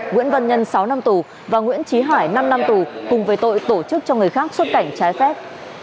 nguyễn văn nhân sáu năm tù và nguyễn trí hải năm năm tù cùng với tội tổ chức cho người khác xuất cảnh trái phép